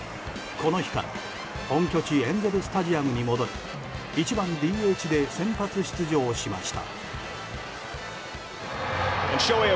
この日から本拠地エンゼル・スタジアムに戻り１番ＤＨで先発出場しました。